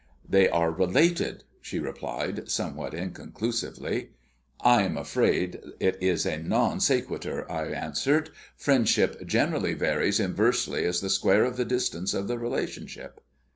"They are related," she replied, somewhat inconclusively. "I am afraid it is a non sequitur," I answered. "Friendship generally varies inversely as the square of the distance of the relationship."